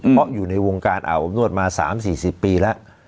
เพราะอยู่ในวงการอาบอบนวดมา๓๔๐ปีแล้ว